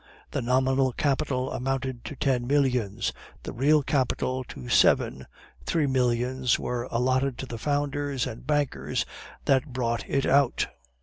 The nominal capital amounted to ten millions; the real capital to seven. Three millions were allotted to the founders and bankers that brought it out.